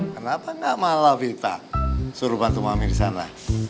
kenapa gak malah vita suruh bantu mami di sana